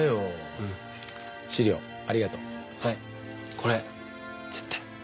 これ絶対。